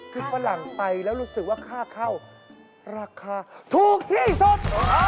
คือฝรั่งไปแล้วรู้สึกว่าค่าเข้าราคาถูกที่สุด